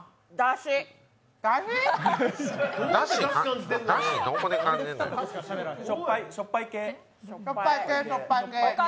しょっぱい系。